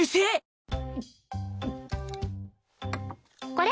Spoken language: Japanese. これ。